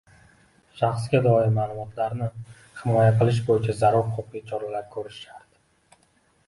shaxsga doir ma’lumotlarni himoya qilish bo‘yicha zarur huquqiy choralar ko'rishi shart.